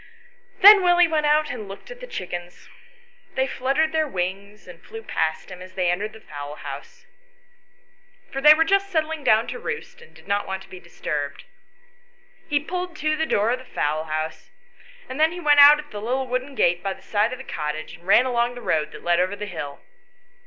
Then Willie went out and looked at the chickens. They fluttered their wings and flew past him as he entered the fowl house, for they were just settling down to roost and did not want to be disturbed. He pulled to the door of the fowl house, and then he went out at the little wooden gate by the side of the cottage, and ran along the road that led over the hill.